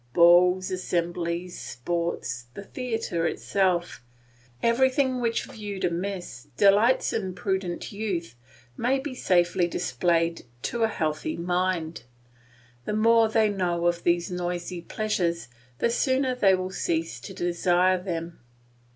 Balls, assemblies, sports, the theatre itself; everything which viewed amiss delights imprudent youth may be safely displayed to a healthy mind. The more they know of these noisy pleasures, the sooner they will cease to desire them.